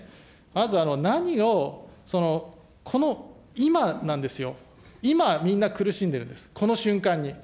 まず、何を、この今なんですよ、今、みんな苦しんでるんです、この瞬間に。